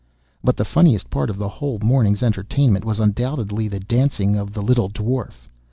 But the funniest part of the whole morning's entertainment, was undoubtedly the dancing of the little Dwarf.